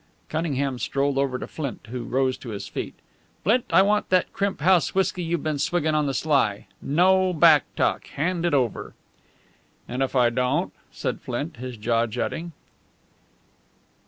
Cunningham strolled over to Flint, who rose to his feet. "Flint, I want that crimp house whisky you've been swigging on the sly. No back talk! Hand it over!" "And if I don't?" said Flint, his jaw jutting.